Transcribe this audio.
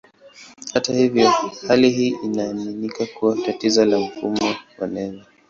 Hata hivyo, hali hii inaaminika kuwa tatizo la mfumo wa neva.